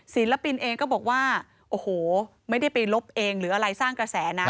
ศิลปินเองก็บอกว่าโอ้โหไม่ได้ไปลบเองหรืออะไรสร้างกระแสนะ